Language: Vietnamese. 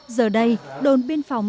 giờ đây đồn biên phòng